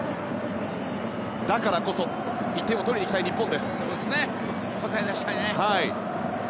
だからこそ１点を取りに行きたい日本。